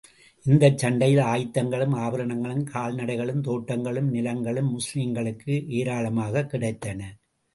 இந்தச் சண்டையில், ஆயுதங்களும், ஆபரணங்களும், கால் நடைகளும், தோட்டங்களும், நிலங்களும் முஸ்லிம்களுக்கு ஏராளமாகக் கிடைத்தன.